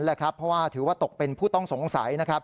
เพราะถือว่าตกเป็นผู้ต้องสงสัย